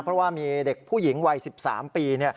เพราะว่ามีเด็กผู้หญิงวัย๑๓ปี